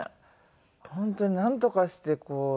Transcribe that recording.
本当になんとかしてこう。